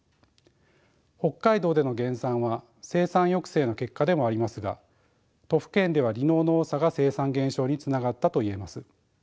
北海道での減産は生産抑制の結果でもありますが都府県では離農の多さが生産減少につながったと言えます。